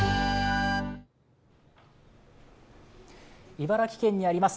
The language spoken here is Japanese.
茨城県にあります